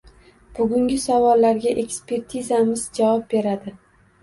Bugungi savollarga ekspertimiz javob beradi